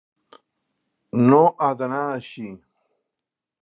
No ha d’anar així!